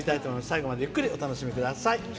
最後まで、ゆっくりお楽しみください。